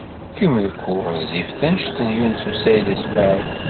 Kumiko ɣezzifet anect n Yunes u Saɛid u Smaɛil.